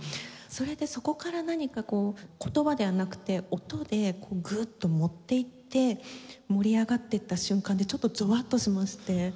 それでそこから何かこう言葉ではなくて音でグッと持っていって盛り上がっていった瞬間にちょっとゾワッとしまして。